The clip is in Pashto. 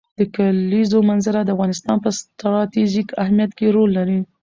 د کلیزو منظره د افغانستان په ستراتیژیک اهمیت کې رول لري.